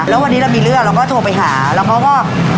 แล้ววันนี้เรามีเรื่องเราก็โทรไปหาแล้วเขาก็